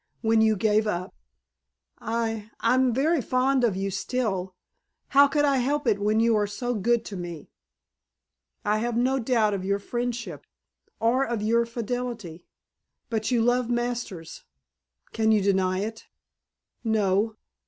When you gave up." "I I'm very fond of you still. How could I help it when you are so good to me?" "I have no doubt of your friendship or of your fidelity. But you love Masters. Can you deny it?" "No."